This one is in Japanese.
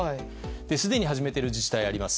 すでに始めているところがあります。